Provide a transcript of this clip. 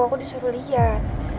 aku disuruh liat